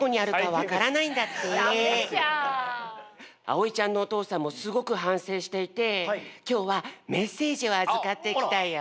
あおいちゃんのおとうさんもすごくはんせいしていてきょうはメッセージをあずかってきたよ。